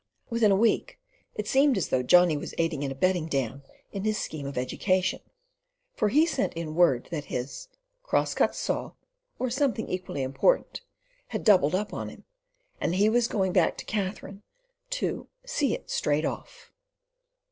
Within a week it seemed as though Johnny was aiding and abetting Dan in his scheme of education; for he sent in word that his "cross cut saw," or something equally important, had doubled up on him, and he was going back to Katherine to "see about it straight off."